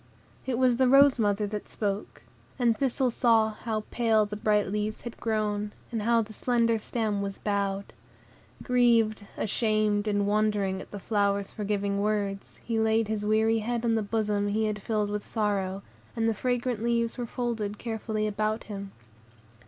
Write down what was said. It was the rose mother that spoke, and Thistle saw how pale the bright leaves had grown, and how the slender stem was bowed. Grieved, ashamed, and wondering at the flower's forgiving words, he laid his weary head on the bosom he had filled with sorrow, and the fragrant leaves were folded carefully about him.